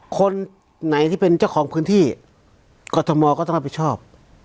คนไหนที่เป็นเจ้าของพื้นที่กรทมก็ต้องรับผิดชอบ